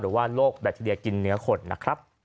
หรือว่าโรคแบตทีเดียกินเนื้อขนนะครับ